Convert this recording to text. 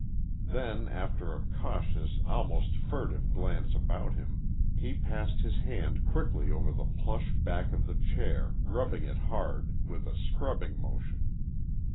Then, after a cautious almost furtive glance about him, he passed his hand quickly over the plush back of the chair, rubbing it hard, with a scrubbing motion.